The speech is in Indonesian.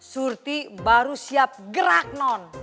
surti baru siap gerak non